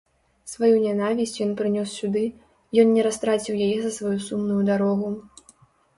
Сваю нянавісць ён прынёс сюды, ён не растраціў яе за сваю сумную дарогу.